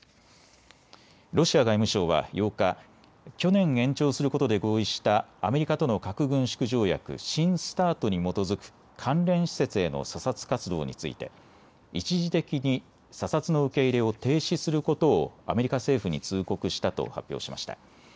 ロシア外務省は８日、去年、延長することで合意したアメリカとの核軍縮条約新ＳＴＡＲＴに基づく関連施設への査察活動について一時的に査察の受け入れを停止することをアメリカ政府に通告したと発表しました。